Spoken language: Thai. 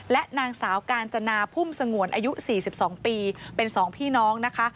และนางสาวกาญจนาพุ่มสงวนอายุ๔๒ปีเป็น๒พี่น้องนะคะ